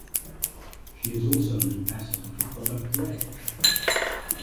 She is also an Ambassador for Product Red.